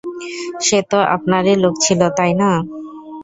সে তো আপনারই লোক ছিল, তাই না?